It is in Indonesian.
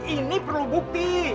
ini perlu bukti